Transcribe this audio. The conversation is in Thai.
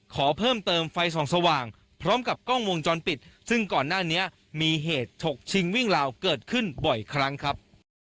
ขอเพิ่มเติมไฟส่องสว่างพร้อมกับกล้องวงจรปิดซึ่งก่อนหน้านี้มีเหตุฉกชิงวิ่งราวเกิดขึ้นบ่อยครั้งครับ